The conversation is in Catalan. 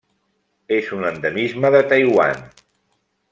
És un endemisme de Taiwan.